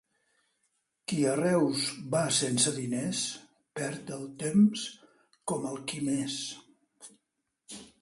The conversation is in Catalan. Qui a Reus va sense diners, perd el temps com el qui més.